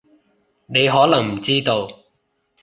你可能唔知道